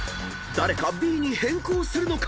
［誰かＢに変更するのか？］